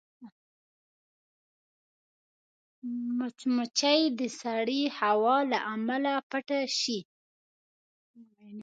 مچمچۍ د سړې هوا له امله پټه شي